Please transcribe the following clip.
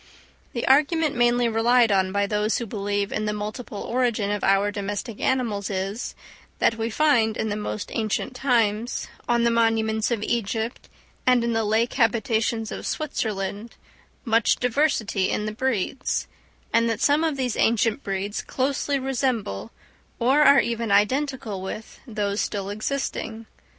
The argument mainly relied on by those who believe in the multiple origin of our domestic animals is, that we find in the most ancient times, on the monuments of Egypt, and in the lake habitations of Switzerland, much diversity in the breeds; and that some of these ancient breeds closely resemble, or are even identical with, those still existing.